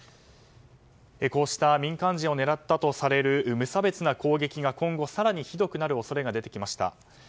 こうした民間人を狙ったとされる無差別な攻撃が今後更にひどくなる恐れが出てきました。